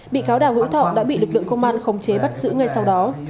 bị cáo đào hữu thọ đã bị lực lượng công an khống chế bắt giữ ngay sau đó